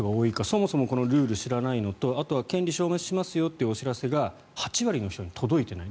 そもそもこのルールを知らないのと権利消滅しますよというお知らせが８割の人に届いていない。